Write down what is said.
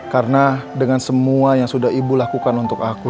karena dengan semua yang sudah ibu lakukan untuk aku